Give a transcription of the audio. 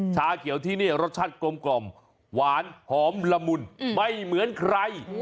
ชาเขียวที่นี่รสชาติกลมหวานหอมละมุนไม่เหมือนใคร